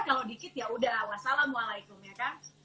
kalau dikit ya udah wassalamualaikum ya kan